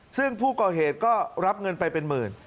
ซึ่งผู้ก่อเหตุก็รับเงินไปเป็นหมื่น